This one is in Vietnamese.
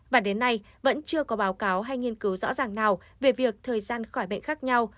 và đến nay vẫn chưa có báo cáo hay nghiên cứu rõ ràng nào về việc thời gian khỏi bệnh khác nhau